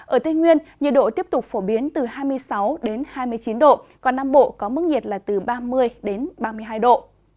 ở tây nguyên nhiệt độ tiếp tục phổ biến từ hai mươi sáu hai mươi chín độ còn nam bộ có mức nhiệt là từ ba mươi ba mươi hai độ